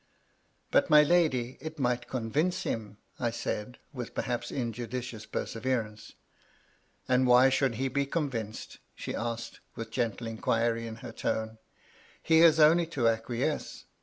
200 BfY LADY LUDLOW. *^ But, my lady, it might convinoe him," I said, with perhaps injudicious^perseverance. ^^And why should he be convinced?" she asked, with gentle inquiry in her tone. ^^He has only to acquiesce.